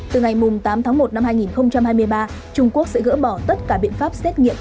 từ ngày tám tháng một năm hai nghìn hai mươi ba trung quốc sẽ gỡ bỏ tất cả biện pháp xét nghiệm